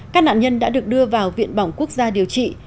các nạn nhân đã được đưa vào viện bỏng quốc gia điều trị